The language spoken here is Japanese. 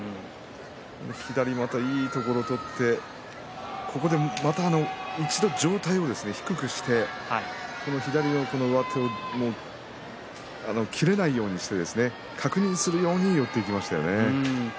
左、またいいところを取って一度、上体を低くして切れないようにして確認するように寄っていきましたね。